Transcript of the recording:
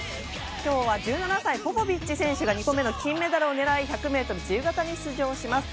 今日は１７歳ポポビッチ選手が２個目の金メダルを狙い１００ｍ自由形に出場します。